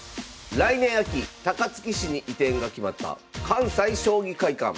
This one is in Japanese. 来年秋高槻市に移転が決まった関西将棋会館。